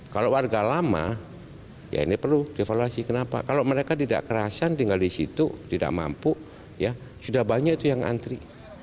kalau warga lama ya ini perlu dievaluasi kenapa kalau mereka tidak kerasan tinggal di situ tidak mampu ya sudah banyak itu yang antri